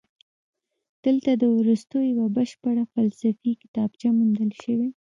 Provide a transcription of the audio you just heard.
دلته د ارسطو یوه بشپړه فلسفي کتابچه موندل شوې